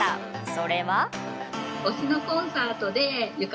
それは。